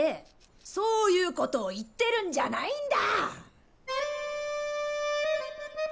そういうことを言ってるんじゃないんだ！